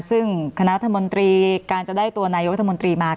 ซึ่งคณะรัฐมนตรีการจะได้ตัวนายกรัฐมนตรีมา